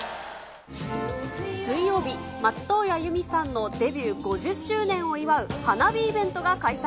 水曜日、松任谷由実さんのデビュー５０周年を祝う花火イベントが開催。